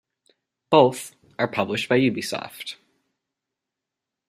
Both are published by Ubisoft.